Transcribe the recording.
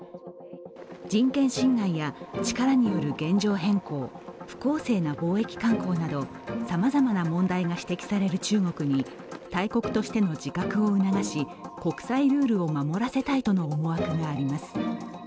人権侵害や力による現状変更、不公正な貿易慣行など、さまざまな問題が指摘される中国に大国としての自覚を促し、国際ルールを守らせたいとの思惑があります。